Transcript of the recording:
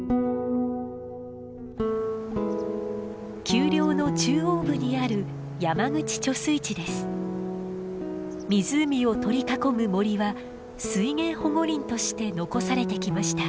丘陵の中央部にある湖を取り囲む森は水源保護林として残されてきました。